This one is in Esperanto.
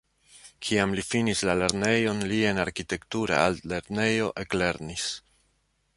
Kiam li finis la lernejon li en arkitektura altlernejo eklernis.